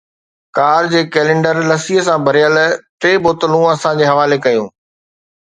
ڪار جي ڪئلينڊر لسيءَ سان ڀريل ٽي بوتلون اسان جي حوالي ڪيون